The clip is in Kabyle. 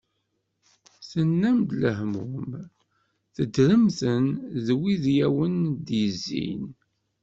Tennam-d lehmum, teddrem-ten d wid i awen-d-yezzin.